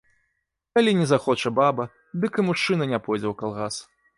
Калі не захоча баба, дык і мужчына не пойдзе ў калгас.